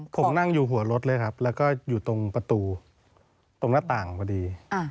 ผมนั่งอยู่หัวรถเลยครับแล้วก็อยู่ตรงประตูตรงหน้าต่างพอดี